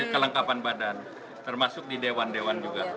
kelengkapan badan termasuk di dewan dewan juga